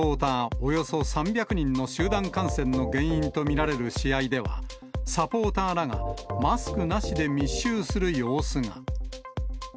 およそ３００人の集団感染の原因と見られる試合では、サポーターらが、マスクなしで密集する様子が。